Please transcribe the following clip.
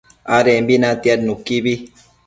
adembi natiad nuquibi